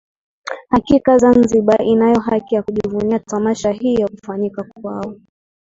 Kakika Zanzibar inayo haki ya kujivunia Tamasha hiyo kufanyika kwao